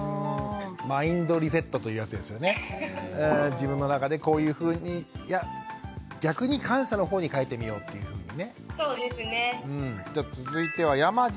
自分の中でこういうふうにいや逆に感謝のほうに変えてみようっていうふうにね。